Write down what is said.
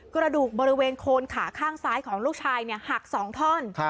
กระดูกบริเวณโคนขาข้างซ้ายของลูกชายหัก๒ท่อน